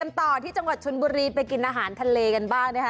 ต่อที่จังหวัดชนบุรีไปกินอาหารทะเลกันบ้างนะคะ